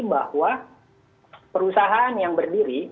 bahwa perusahaan yang berdiri